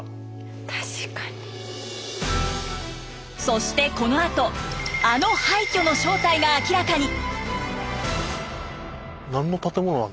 そしてこのあとあの廃虚の正体が明らかに。